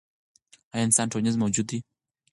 ایا انسان ټولنیز موجود دی؟